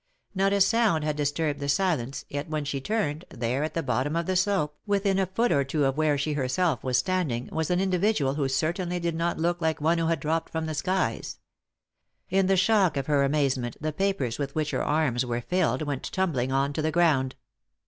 Not a sound had disturbed the silence, yet when she turned, there at the bottom of the slope, within a foot or two of where she herself was standing, was an individual who certainly did not look like one who had dropped 96 3i 9 iii^d by Google THE INTERRUPTED KISS from the skies. In the shock of her amazement the papers with which her arms were filled went tumbling on to the ground.